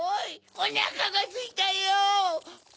おなかがすいたよ！